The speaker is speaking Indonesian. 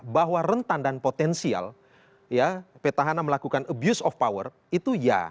bahwa rentan dan potensial ya petahana melakukan abuse of power itu ya